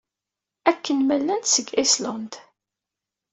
Akken ma llant seg Island.